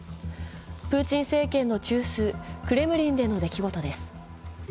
プーチン政権の中枢、クレムリンでの出来事です。